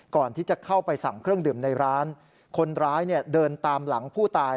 ก่อนที่จะเข้าไปสั่งเครื่องดื่มในร้านคนร้ายเนี่ยเดินตามหลังผู้ตาย